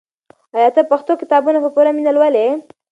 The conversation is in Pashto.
آیا ته پښتو کتابونه په پوره مینه لولې؟